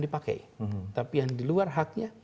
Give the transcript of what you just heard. dipakai tapi yang di luar haknya